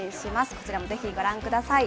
こちらもぜひご覧ください。